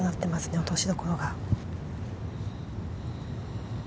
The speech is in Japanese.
落としどころが。